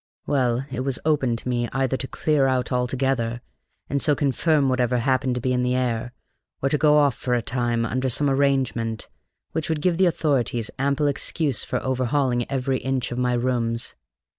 Well, it was open to me either to clear out altogether, and so confirm whatever happened to be in the air, or to go off for a time, under some arrangement which would give the authorities ample excuse for overhauling every inch of my rooms.